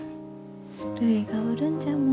るいがおるんじゃもん。